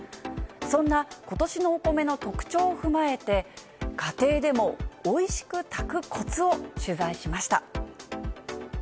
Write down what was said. そんな、ことしのお米の特徴を踏まえて、家庭でもおいしく炊くこつを取材しました。